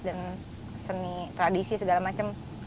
dan seni tradisi segala macam